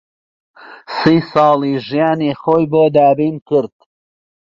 سی ساڵی ژیانی خۆی بۆ دابین کرد